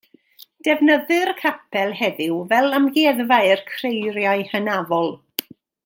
Defnyddir y capel heddiw fel amgueddfa i'r creiriau hynafol.